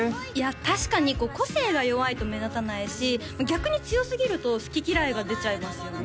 確かに個性が弱いと目立たないし逆に強すぎると好き嫌いが出ちゃいますよね